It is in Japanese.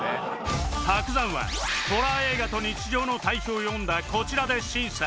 伯山はホラー映画と日常の対比を詠んだこちらで審査